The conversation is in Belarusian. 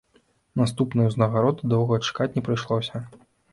Наступнай узнагароды доўга чакаць не прыйшлося.